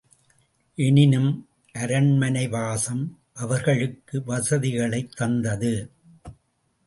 எனினும் அரண்மனை வாசம் அவர்களுக்கு வசதிகளைத் தந்தது.